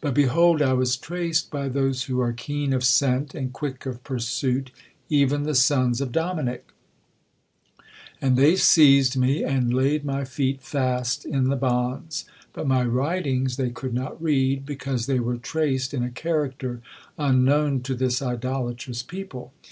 But, behold, I was traced by those who are keen of scent, and quick of pursuit, even the sons of Dominick. And they seized me, and laid my feet fast in the bonds; but my writings they could not read, because they were traced in a character unknown to this idolatrous people.